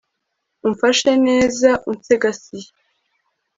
umfashe neza, unsegasiye